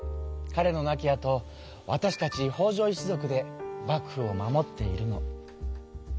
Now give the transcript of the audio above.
かれの亡きあとわたしたち北条一族で幕府を守っているの。